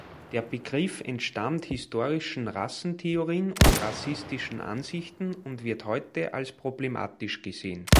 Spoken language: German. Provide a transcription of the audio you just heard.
Der Begriff entstammt historischen Rassentheorien und rassistischen Ansichten, und wird heute als problematisch gesehen.